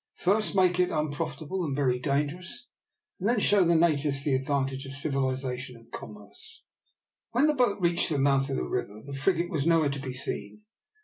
First make it unprofitable and very dangerous, and then show the natives the advantages of civilisation and commerce." When the boat reached the mouth of the river, the frigate was nowhere to be seen.